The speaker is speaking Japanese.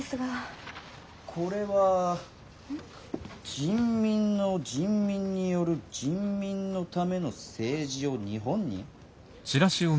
「人民の人民による人民のための政事を日本に」？